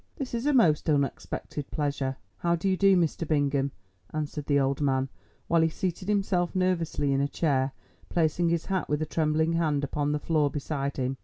This is a most unexpected pleasure." "How do you do, Mr. Bingham?" answered the old man, while he seated himself nervously in a chair, placing his hat with a trembling hand upon the floor beside him.